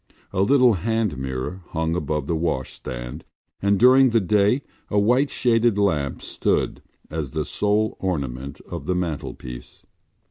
A little hand mirror hung above the washstand and during the day a white shaded lamp stood as the sole ornament of the mantelpiece.